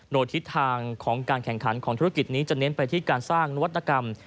โดยทิศทางของการแข่งขันของธุรกิจนี้จะเน้นไปที่การสร้างนวัตกรรม